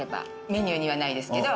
メニューにはないですけど。